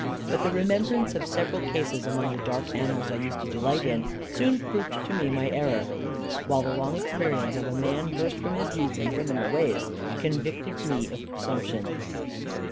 But the remembrance of several cases, among the dark annals I used to delight in, soon proved to me my error; while the long experience of a man, versed from his youth in criminal ways, convicted me of presumption.